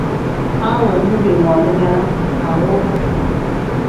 A wenbi biimoona nya ne aho.